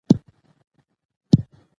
شرکتونه به ډېر روباټونه جوړ کړي.